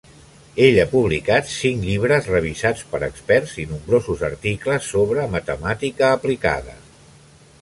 Ell ha publicat cinc llibres revisats per experts i nombrosos articles sobre matemàtica aplicada.